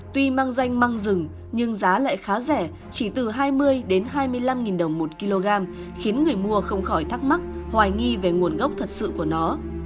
tuy mang danh măng rừng nhưng giá lại khá rẻ chỉ từ hai mươi đến hai mươi năm đồng một kg khiến người mua không khỏi thắc mắc hoài nghi về nguồn gốc thật sự của nó